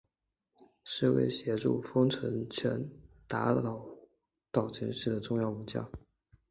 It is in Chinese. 是为协助丰臣政权打倒岛津氏的重要武将。